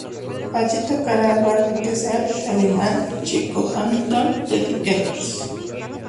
Allí tocará con Barney Kessel, Shelly Manne, Chico Hamilton, Teddy Edwards.